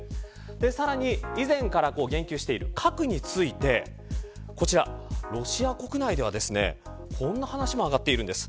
さらに以前から言及している核についてこちら、ロシア国内ではこんな話も上がっているんです。